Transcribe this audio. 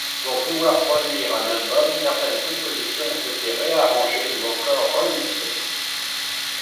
Pour pouvoir produire un album, certaines compositions ont été réarrangées ou encore remixées.